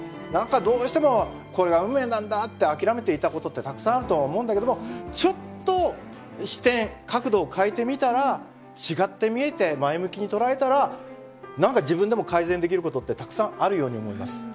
何かどうしても「これが運命なんだ」って諦めていたことってたくさんあるとは思うんだけどもちょっと視点角度を変えてみたら違って見えて前向きに捉えたら何か自分でも改善できることってたくさんあるように思います。